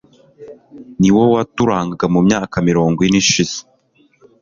ni wo waturangaga mu myaka mirongo ine ishize.